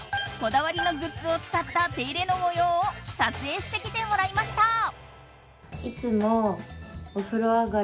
こだわりのグッズを使った手入れのもようを撮影してきてもらいました。